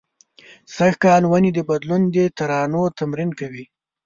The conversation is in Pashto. سږ کال ونې د بدلون د ترانو تمرین کوي